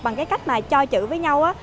bằng cái cách mà cho chữ với nhau